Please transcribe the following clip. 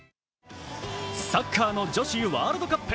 サッカーの女子ワールドカップ。